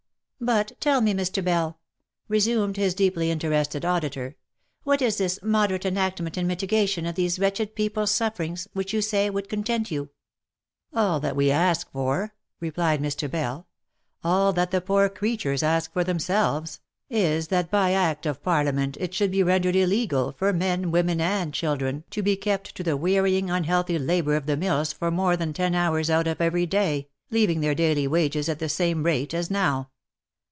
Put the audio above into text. " But tell me Mr. Bell," resumed his deeply interested auditor, "what is this moderate enactment in mitigation of these wretched people's sufferings, which you say would content you V " All that we ask for," replied Mr. Bell, " all that the poor crea tures ask for themselves, is that by Act of Parliament it should be rendered illegal for men women and children to be kept to the weary ing unhealthy labour of the mills for more than ten hours out of every day, leaving their daily wages at the same rate as now."